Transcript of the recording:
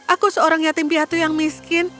aku seorang yatim piatu yang miskin